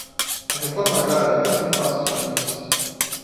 A reforma agrária caminha a passos lentos